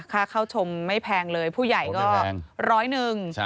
ค่าเข้าชมไม่แพงเลยผู้ใหญ่ก็ร้อยหนึ่ง